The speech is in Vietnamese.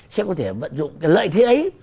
sẽ có thể vận dụng lợi thế ấy